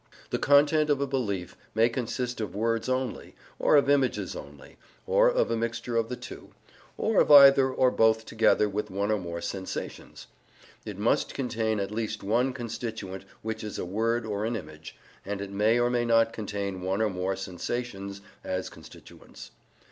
The content of a belief may consist of words only, or of images only, or of a mixture of the two, or of either or both together with one or more sensations. It must contain at least one constituent which is a word or an image, and it may or may not contain one or more sensations as constituents.